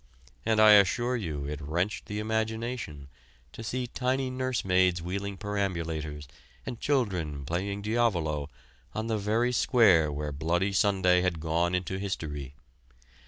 And I assure you it wrenched the imagination to see tidy nursemaids wheeling perambulators and children playing diavolo on the very square where Bloody Sunday had gone into history.